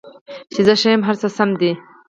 چې زه ښه یم، هر څه سم دي